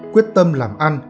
quyết tâm làm ăn